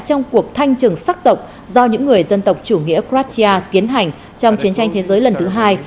trong cuộc thanh trừng sắc tộc do những người dân tộc chủ nghĩa cratia tiến hành trong chiến tranh thế giới lần thứ hai